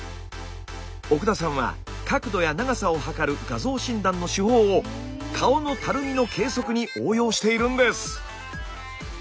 奥田さんは角度や長さを測る画像診断の手法を顔のたるみの計測に応用しているんです。